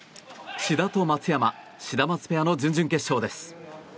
志田と松山シダマツペアの準々決勝です。